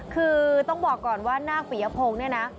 คือต้องบอกก่อนว่านาคปิยพงศ์เนี่ยนะ